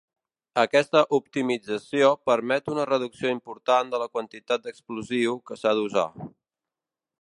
Aquesta optimització permet una reducció important de la quantitat d'explosiu que s'ha d'usar.